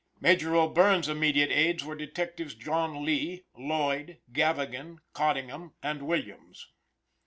Major O'Bierne's immediate aids were Detectives John Lee, Lloyd, Gavigan, Coddingham, and Williams.